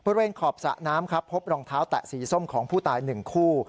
บริเวณขอบสระน้ำครับพบรองเท้าแตะสีส้มของผู้ตาย๑คู่